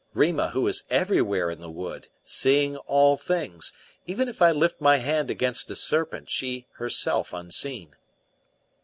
Rima, who is everywhere in the wood, seeing all things, even if I lift my hand against a serpent, she herself unseen."